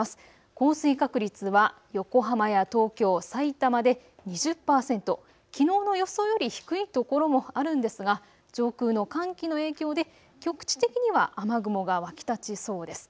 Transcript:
降水確率は横浜や東京、さいたまで２０％、きのうの予想より低い所もあるんですが上空の寒気の影響で局地的には雨雲が湧き立ちそうです。